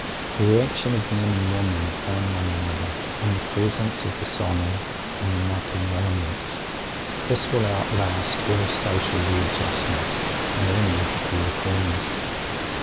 The reaction of men and women upon one another, in the presence of the solemn and the mocking elements; this will outlast all social readjustments and all ethical reforms.